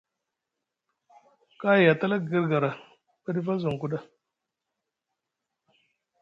Kay a tala guir gara ɓa ɗif a zinku ɗa.